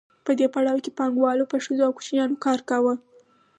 په دې پړاو کې پانګوالو په ښځو او کوچنیانو کار کاوه